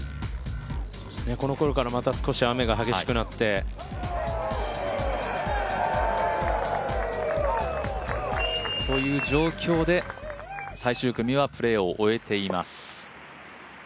このころからまた少し雨が激しくなって。という状況で、最終組はプレーを終えています。